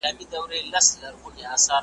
ته بېشکه هم ښایسته یې هم رنګینه ,